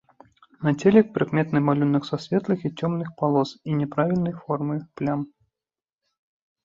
На целе прыкметны малюнак са светлых і цёмных палос і няправільнай формы плям.